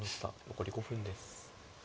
残り５分です。